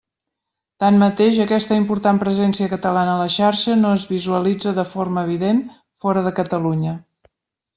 Tanmateix, aquesta important presència catalana a la Xarxa no es visualitza de forma evident fora de Catalunya.